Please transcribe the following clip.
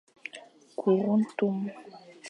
Kur ntum,